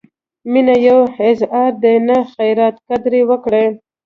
مینه یو اعزاز دی، نه خیرات؛ قدر یې وکړئ!